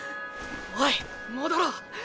おい戻ろう。